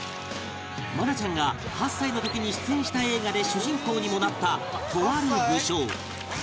愛菜ちゃんが８歳の時に出演した映画で主人公にもなったとある武将